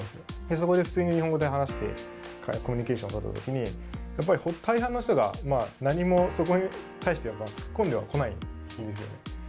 そこで普通に日本語で話して、コミュニケーションを取ったときに、やっぱり大半の人が、何もそこに対してはつっこんではこないんですよね。